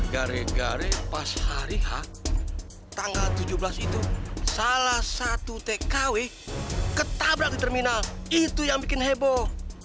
gara gara pas hari h tanggal tujuh belas itu salah satu tkw ketabrak di terminal itu yang bikin heboh